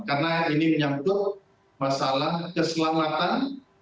karena ini menyambut masalah keselamatan